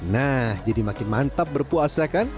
nah jadi makin mantap berpuasa kan